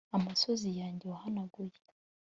amosozi yanjye wahanaguye